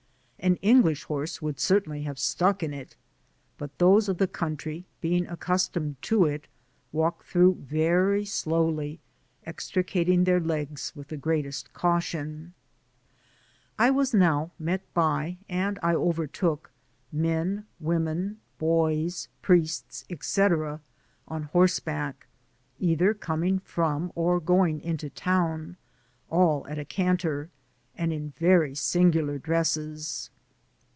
An English horse would certainly have stuck, but those of the country, being accustomed to it, walk through very slowly, extricating their 1^ with the greatest caution. Digitized byGoogk 184 PASSAGE ACROSS I was now met by, and I overtook, men, women, boys, priests, &c. on horseback, either coming from or going into town, all at a canter, and in very singular dresses.